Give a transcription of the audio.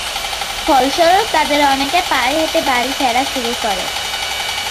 ফলস্বরূপ, তাদের অনেকে পায়ে হেটে বাড়ি ফেরা শুরু করে।